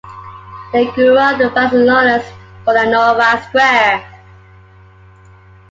They grew up at Barcelona’s Bonanova square.